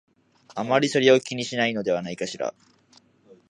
あまりそれを気にしないのではないかしら